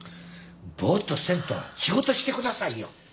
ぼーっとせんと仕事してくださいよ。